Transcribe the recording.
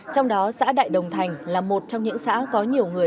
trong đó xã đại đồng thành là một trong những xã có nhiều người